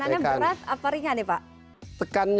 tekanannya berat apa ringan pak